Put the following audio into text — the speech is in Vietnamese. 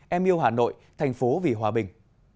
em yêu hà nội thành phố vì hòa bình